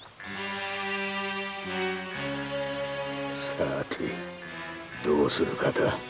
さあてどうするかだ。